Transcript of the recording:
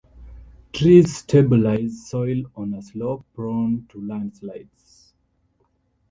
Trees stabilize soil on a slope prone to landslides.